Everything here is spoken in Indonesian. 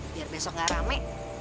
biar besok enggak rame